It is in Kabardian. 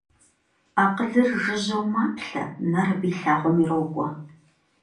Акъылыр жыжьэу маплъэ, нэр абы и лъагъуэм ирокӏуэ.